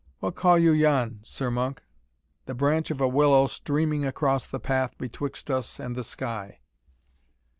what call you yon, Sir Monk?" "The branch of a willow streaming across the path betwixt us and the sky."